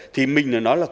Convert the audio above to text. thì mình nói là